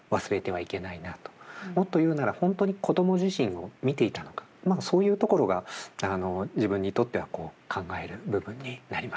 もっと言うなら本当に子供自身を見ていたのかそういうところが自分にとっては考える部分になりましたね。